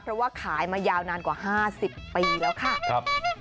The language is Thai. เพราะว่าขายมายาวนานกว่า๕๐ปีแล้วค่ะครับ